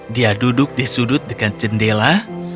dia duduk di sudut dekat jendela